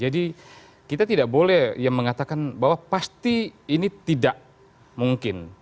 jadi kita tidak boleh yang mengatakan bahwa pasti ini tidak mungkin